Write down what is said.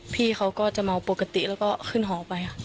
พี่เขาก็จะเมาปกติแล้วก็ขึ้นหอไปค่ะ